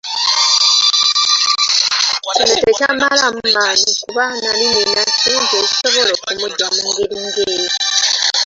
Kino tekyammalaamu maanyi kuba nnali nnina ssente ezisobola okumuggya mu ngeri ng’egyo.